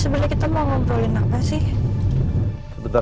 bantu apa bu